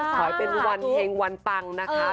ขอให้เป็นวันเฮงวันปังนะคะ